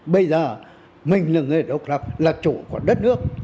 bây giờ mình là người độc lập là chủ của đất nước